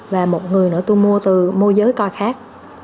và một người nữa tôi mua từ môi giới coi khác